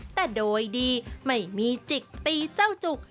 แต่โดยดีไม่มีจิกตีเจ้าจุก